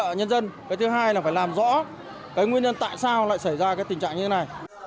hỗ trợ nhân dân cái thứ hai là phải làm rõ cái nguyên nhân tại sao lại xảy ra cái tình trạng như thế này